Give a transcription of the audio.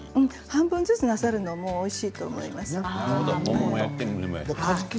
半分ずつなさるのもおいしいと思います。